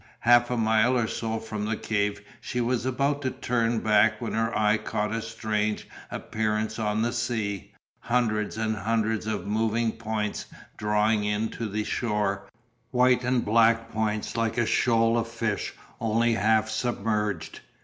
Half a mile or so from the cave she was about to turn back when her eye caught a strange appearance on the sea, hundreds and hundreds of moving points drawing in to the shore, white and black points like a shoal of fish only half submerged.